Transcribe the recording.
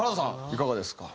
いかがですか？